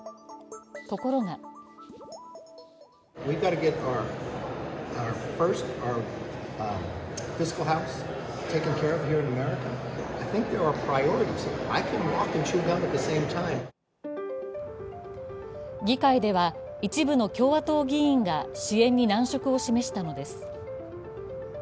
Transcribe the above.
ところが議会では一部の共和党議員が支援に難色を示したのです。